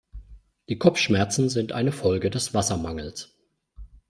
Die Kopfschmerzen sind eine Folge des Wassermangels.